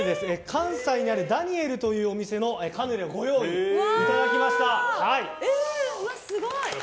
関西にあるダニエルというお店のカヌレをご用意いただきました。